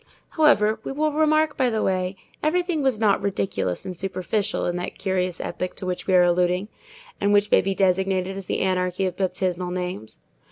However, we will remark by the way, everything was not ridiculous and superficial in that curious epoch to which we are alluding, and which may be designated as the anarchy of baptismal names.